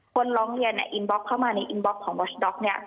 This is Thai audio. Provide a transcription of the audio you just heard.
คนร้องเรียนเข้ามาในอินบ็อกของบอสด็อก